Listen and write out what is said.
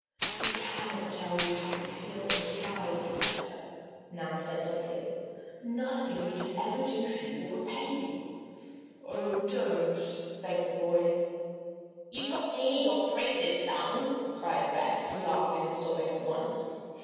"We cannot tell you how we feel, inside, Walter," Nan said softly. "Nothing we can ever do for you will repay you " "Oh, don't!" begged the boy. "You've got to hear your praises sung!" cried Bess, laughing and sobbing at once.